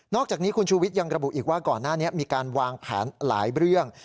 อกจากนี้คุณชูวิทย์ยังระบุอีกว่าก่อนหน้านี้มีการวางแผนหลายเรื่อง